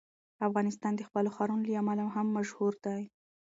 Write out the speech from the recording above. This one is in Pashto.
افغانستان د خپلو ښارونو له امله هم مشهور دی.